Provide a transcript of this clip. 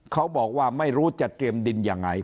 เขาบอกว่าไม่รู้จะเตรียมดินยังไง